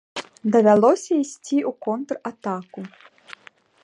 Давялося ісці ў контратаку.